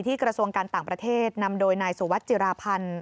กระทรวงการต่างประเทศนำโดยนายสุวัสดิจิราพันธ์